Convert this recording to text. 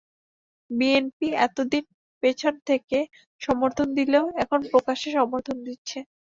BNP এত দিন পেছন থেকে সমর্থন দিলেও এখন প্রকাশ্যে সমর্থন দিচ্ছে।